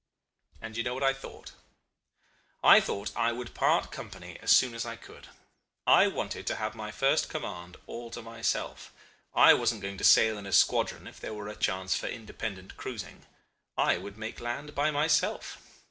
"And do you know what I thought? I thought I would part company as soon as I could. I wanted to have my first command all to myself. I wasn't going to sail in a squadron if there were a chance for independent cruising. I would make land by myself.